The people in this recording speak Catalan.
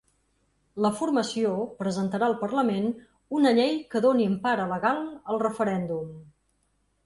La formació presentarà al parlament una llei que doni empara legal al referèndum.